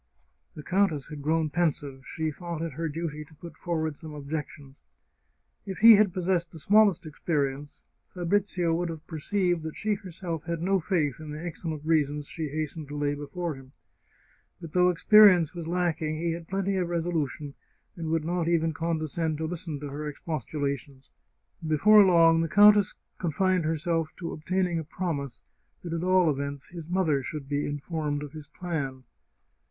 The countess had grown pensive; she thought it her duty to put forward some objections. If he had possessed the smallest experience Fabrizio would have perceived that she herself had no faith in the excellent reasons she hastened to lay before him. But though experience was lacking, he had plenty of resolution, and would not even condescend to listen to her expostulations. Before long the countess con fined herself to obtaining a promise that at all events his mother should be informed of his plan.